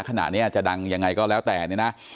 ขณะนี้จะดังยังไงก็แล้วแต่เนี่ยนะ